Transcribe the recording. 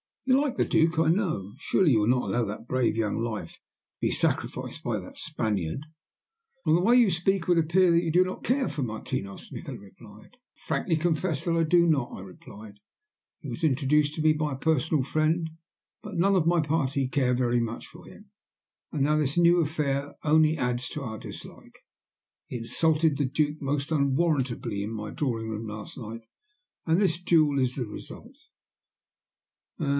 You like the Duke, I know. Surely you will not allow that brave young life to be sacrificed by that Spaniard?" "From the way you speak it would appear that you do not care for Martinos?" Nikola replied. "I frankly confess that I do not," I replied. "He was introduced to me by a personal friend, but none of my party care very much for him. And now this new affair only adds to our dislike. He insulted the Duke most unwarrantably in my drawing room last night, and this duel is the result."